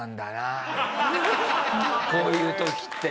こういう時って。